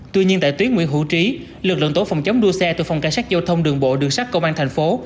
tuy nhiên tại tuyến nguyễn hữu trí lực lượng tổ phòng chống đua xe từ phòng cảnh sát giao thông đường bộ đường sát công an thành phố